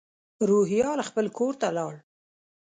روهیال خپل کور ته لاړ.